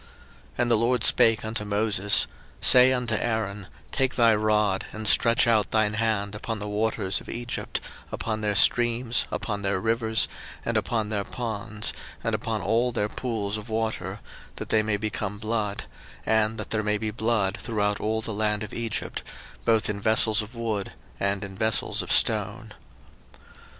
02:007:019 And the LORD spake unto Moses, Say unto Aaron, Take thy rod, and stretch out thine hand upon the waters of Egypt, upon their streams, upon their rivers, and upon their ponds, and upon all their pools of water, that they may become blood; and that there may be blood throughout all the land of Egypt, both in vessels of wood, and in vessels of stone.